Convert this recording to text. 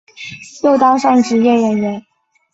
又当上职业演员。